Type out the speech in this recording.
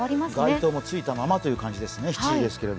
街灯もついたままという感じですね、７時ですけど。